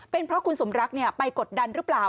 เป็นเพราะคุณสมรักไปกดดันหรือเปล่า